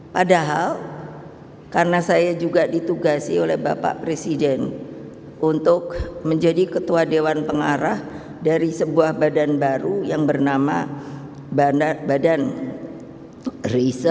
padahal karena saya juga ditugasi oleh bapak presiden untuk menjadi ketua dewan pengarah dari sebuah badan baru yang bernama badan riset